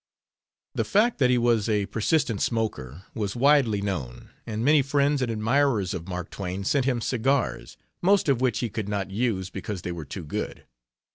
] The fact that he was a persistent smoker was widely known, and many friends and admirers of Mark Twain sent him cigars, most of which he could not use, because they were too good.